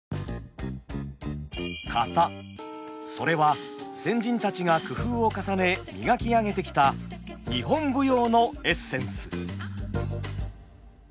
それは先人たちが工夫を重ね磨き上げてきた日本舞踊のエッセンス。